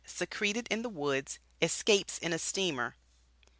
SECRETED IN THE WOODS ESCAPES IN A STEAMER.